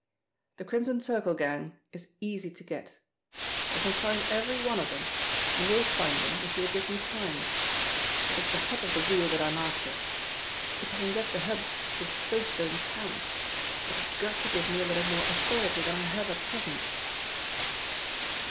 "The Crimson Circle gang is easy to get. I can find every one of them, and will find them if you will give me time. But it is the hub of the wheel that I'm after. If I can get the hub the spokes don't count. But you've got to give me a little more authority that I have at present."